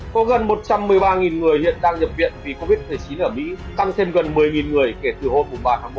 có gần một trăm một mươi ba người hiện đang nhập viện vì covid một mươi chín ở mỹ tăng thêm gần một mươi người kể từ hôm ba tháng một